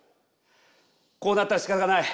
こうなったらしかたがない。